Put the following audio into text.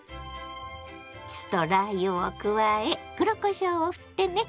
酢とラー油を加え黒こしょうをふってね！